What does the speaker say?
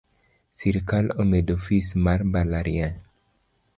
Sirkal omedo fees mar mbalariany.